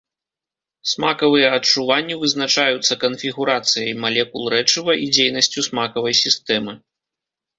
Смакавыя адчуванні вызначаюцца канфігурацыяй малекул рэчыва і дзейнасцю смакавай сістэмы.